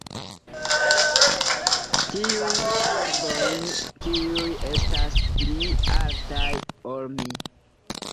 tiujn arbojn kiuj estas pli altaj ol mi!